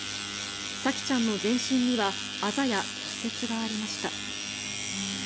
沙季ちゃんの全身にはあざや骨折がありました。